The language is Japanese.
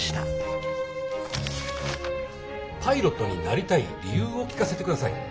パイロットになりたい理由を聞かせてください。